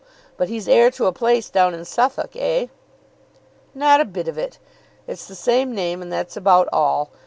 But he's heir to a place down in Suffolk; eh?" "Not a bit of it. It's the same name, and that's about all.